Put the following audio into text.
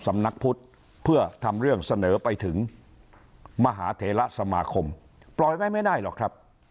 สำนักพุทธเพื่อทำเรื่องเสนอไปถึงมหาเถระสมาคมปล่อยไว้ไม่ได้หรอกครับ